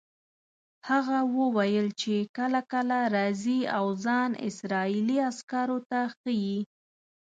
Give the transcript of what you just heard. هغه وویل چې کله کله راځي او ځان اسرائیلي عسکرو ته ښیي.